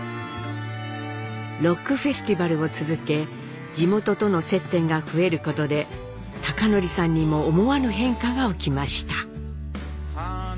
ロックフェスティバルを続け地元との接点が増えることで貴教さんにも思わぬ変化が起きました。